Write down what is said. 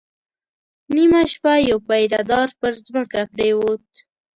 نيمه شپه يو پيره دار پر ځمکه پرېووت.